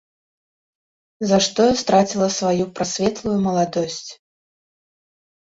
За што я страціла сваю прасветлую маладосць?